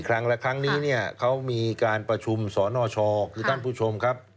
ครั้งและครั้งนี้เนี่ยเขามีการประชุมสนชคือท่านผู้ชมครับ